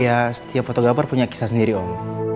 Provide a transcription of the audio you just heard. ya setiap fotografer punya kisah sendiri om